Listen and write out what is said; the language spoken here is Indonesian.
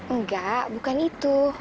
enggak bukan itu